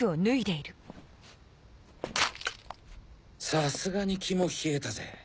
さすがに肝冷えたぜ。